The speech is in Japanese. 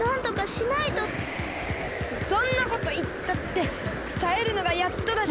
そそんなこといったってたえるのがやっとだし。